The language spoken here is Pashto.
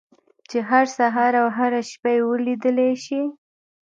چې هر سهار او هره شپه يې وليدلای شئ.